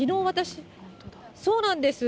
そうなんです。